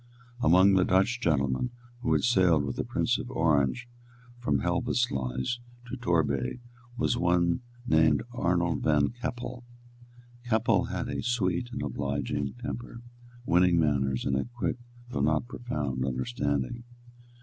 Among the Dutch gentlemen who had sailed with the Prince of Orange from Helvoetsluys to Torbay was one named Arnold Van Keppel. Keppel had a sweet and obliging temper, winning manners, and a quick, though not a profound, understanding.